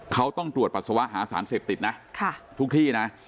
เขาต้องตรวจปัสสาวะหาสารเสพติดนะทุกที่นะ